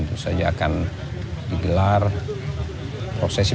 gede kalau kita lihat di sini